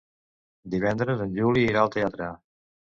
Divendres en Juli irà al teatre.